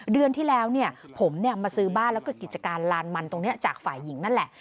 เดือนที่แล้วผมมาซื้อบ้านแล้วก็กิจการลานมันตรงนี้จากฝ่ายหญิงนั่นแหละ